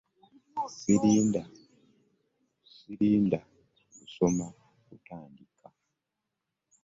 Sirinda lusoma kutandika.